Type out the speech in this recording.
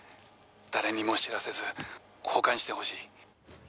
「誰にも知らせず保管してほしい」